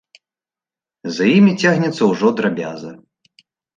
За імі цягнецца ўжо драбяза.